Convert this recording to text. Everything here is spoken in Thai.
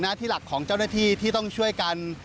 ที่หลักของเจ้าหน้าที่ที่ต้องช่วยกัน